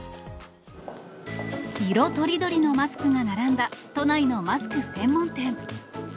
色とりどりのマスクが並んだ、都内のマスク専門店。